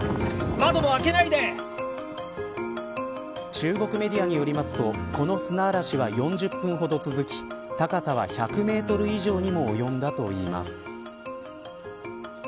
中国メディアによりますとこの砂嵐は４０分ほど続き高さは１００メートル以上にも及んだといいます。